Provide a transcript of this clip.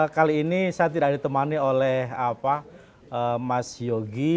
kali ini saya tidak ditemani oleh mas yogi